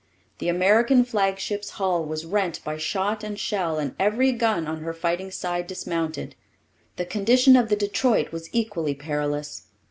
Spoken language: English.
The American flagship's hull was rent by shot and shell and every gun on her fighting side dismounted. The condition of the Detroit was equally perilous.